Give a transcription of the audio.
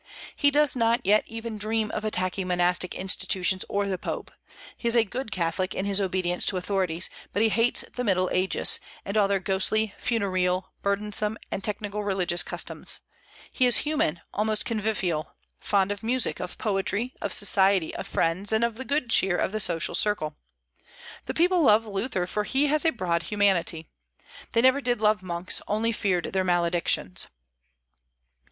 He does not yet even dream of attacking monastic institutions, or the Pope; he is a good Catholic in his obedience to authorities; but he hates the Middle Ages, and all their ghostly, funereal, burdensome, and technical religious customs. He is human, almost convivial, fond of music, of poetry, of society, of friends, and of the good cheer of the social circle. The people love Luther, for he has a broad humanity. They never did love monks, only feared their maledictions.